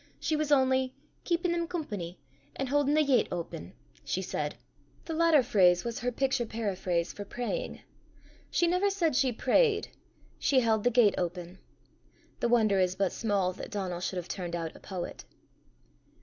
She was only "keepin' them company, an' haudin' the yett open," she said. The latter phrase was her picture periphrase for praying. She never said she prayed; she held the gate open. The wonder is but small that Donal should have turned out a poet.